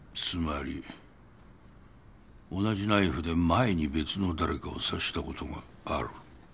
つまり同じナイフで前に別の誰かを刺したことがある。